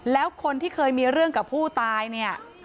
แล้วคนที่เคยมีเรื่องกับผู้ตายเนี่ย